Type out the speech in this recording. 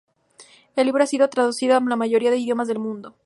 El libro ha sido traducido a la mayoría de idiomas del mundo.